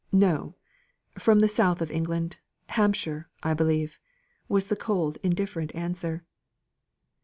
"No! from the south of England Hampshire, I believe," was the cold, indifferent answer.